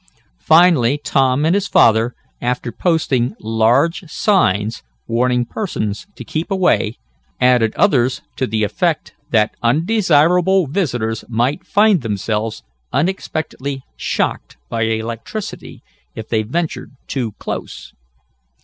Finally Tom and his father, after posting large signs, warning persons to keep away, added others to the effect that undesirable visitors might find themselves unexpectedly shocked by electricity, if they ventured too close.